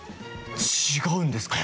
違うんですか！？